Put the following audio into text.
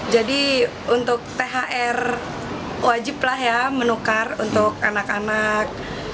jadi untuk thr wajib lah ya menukar untuk anak anak